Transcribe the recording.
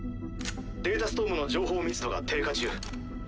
データストームの情報密度が低下中。